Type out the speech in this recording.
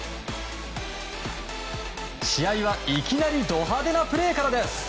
試合は、いきなりド派手なプレーからです。